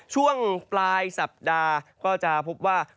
ช่วงปลายสัปดาห์ก็จะพบว่า